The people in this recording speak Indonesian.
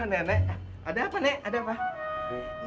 oh nenek ada apa nek ada apa